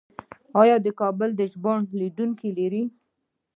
آیا د کابل ژوبڼ لیدونکي لري؟